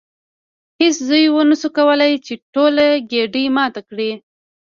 هیڅ زوی ونشو کولی چې ټوله ګېډۍ ماته کړي.